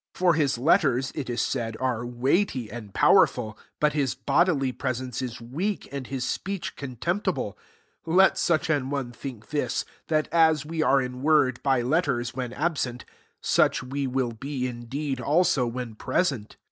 10 For hiB letters, it is said, are weighty and powerful ; btit hiB bodily presence ia weak, and hia speech contemptible. 11 Let such an one think this, that as we are in word, by letters, when absent, such v)e will be in deed also, when present.